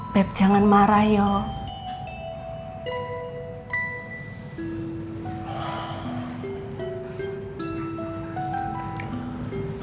beb jangan marah yuk